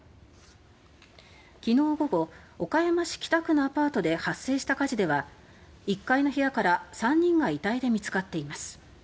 昨日午後岡山市北区のアパートで発生した火事では１階の部屋から３人が遺体で見つかっています。